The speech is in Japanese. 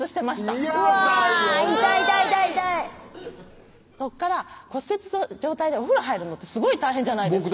もう痛い痛い痛い痛い骨折の状態でお風呂入るのってすごい大変じゃないですか